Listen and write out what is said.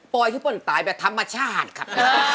ปล่อยที่ปุ่นตายแบบธรรมชาติครับ